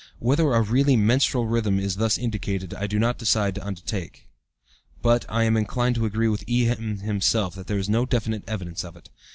Whether a really menstrual rhythm is thus indicated I do not undertake to decide, but I am inclined to agree with E.M. himself that there is no definite evidence of it.